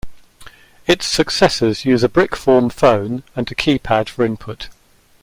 Its successors use a brick form phone and a keypad for input.